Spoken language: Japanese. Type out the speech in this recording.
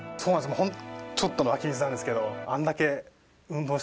もうちょっとの湧き水なんですけど。